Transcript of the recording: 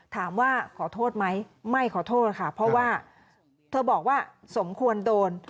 ถามว่าขอโทษไหมไม่ขอโทษค่ะเพราะว่าเธอบอกว่าสมควรโดน